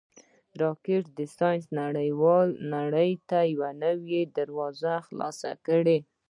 راکټ د ساینس نړۍ ته نوې دروازه خلاصه کړې